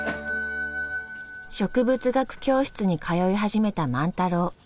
植物学教室に通い始めた万太郎。